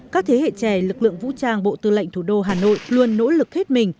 các thế hệ trẻ lực lượng vũ trang bộ tư lệnh thủ đô hà nội luôn nỗ lực hết mình